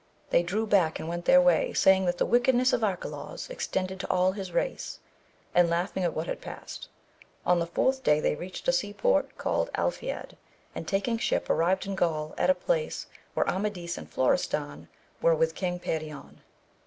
They drew back and went their way, saying that the wickedness of Arcalaus extended to all his race, and laughing at what had passed. On the fourth day they reached a sea port called Alfiad, and taking ship arrived in Gaul at a place where Amadis and Florestan were with King Perion.